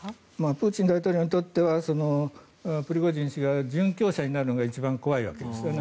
プーチン大統領にとってはプリゴジン氏が殉教者になるのが一番怖いわけですよね。